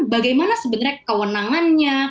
bagaimana sebenarnya kewenangannya